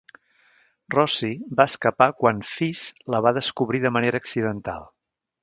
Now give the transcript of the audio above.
Rosie va escapar quan Fiz la va descobrir de manera accidental.